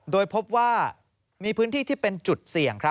โดยพบว่ามีพื้นที่ที่เป็นจุดเสี่ยง